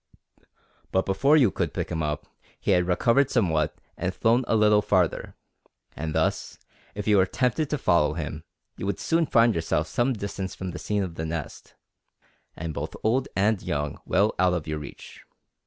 But before you could pick him up, he had recovered somewhat and flown a little farther; and thus, if you were tempted to follow him, you would soon find yourself some distance from the scene of the nest, and both old and young well out of your reach.